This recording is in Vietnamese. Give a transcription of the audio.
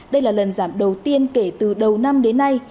đây là lần giảm đầu tiên kể từ đầu năm đến nay